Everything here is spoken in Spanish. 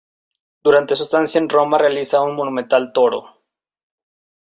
Durante su estancia en Roma realiza un monumental Toro.